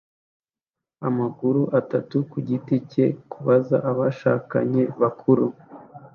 Amakuru atatu kugiti cye kubaza abashakanye bakuru